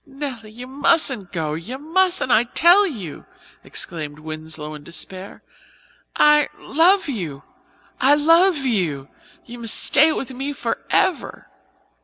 "Nelly, you mustn't go you mustn't, I tell you," exclaimed Winslow in despair. "I love you I love you you must stay with me forever."